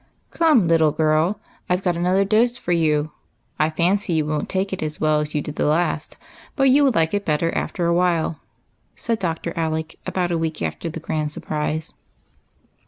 " /'^OME, little girl, I 've got another dose for you. ^^ I fancy you won't take it as well as you did the last, but you will like it better after a while," said Dr. Alec, about a week after the grand surprise.